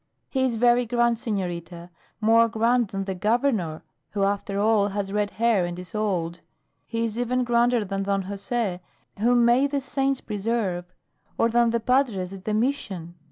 "He is very grand, senorita; more grand than the Governor, who after all has red hair and is old. He is even grander than Don Jose, whom may the saints preserve; or than the padres at the mission.